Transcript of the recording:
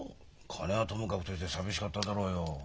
金はともかくとして寂しかっただろうよ。